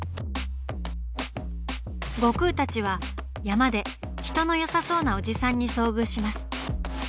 悟空たちは山で人のよさそうなおじさんに遭遇します。